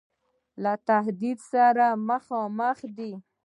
له تهدید سره مخامخ دی.